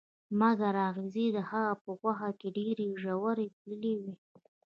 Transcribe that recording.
مګر اغزي د هغه په غوښه کې ډیر ژور تللي وو